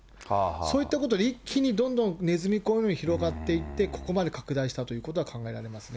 そういったことで一気にどんどんねずみ講のように広がっていって、ここまで拡大したということは考えられますね。